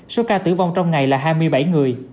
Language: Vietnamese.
số ca tử vong trong ngày là hai mươi bảy người